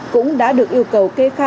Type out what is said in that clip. cũng đã được yêu cầu kê khai